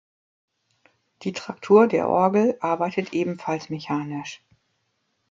Die Traktur der Orgel arbeitet ebenfalls mechanisch.